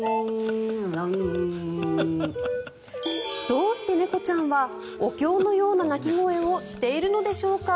どうして猫ちゃんはお経のような鳴き声をしているのでしょうか。